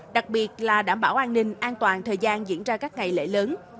đặc biệt là đảm bảo an ninh an toàn thời gian diễn ra các ngày lễ lớn